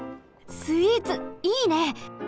スイーツいいね！